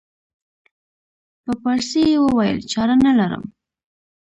په پارسي یې وویل چاره نه لرم.